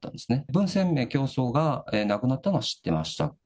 文鮮明教祖が亡くなったのは知ってました。